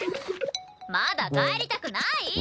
まだ帰りたくない！